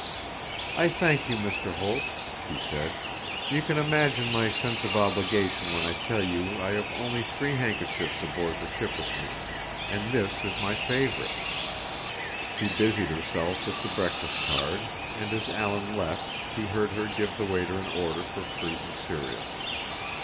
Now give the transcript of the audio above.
"I thank you, Mr. Holt," she said. "You can imagine my sense of obligation when I tell you I have only three handkerchiefs aboard the ship with me. And this is my favorite." She busied herself with the breakfast card, and as Alan left, he heard her give the waiter an order for fruit and cereal.